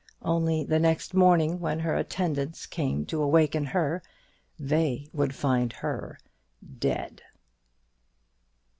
Only the next morning, when her attendants came to awaken her, they would find her dead!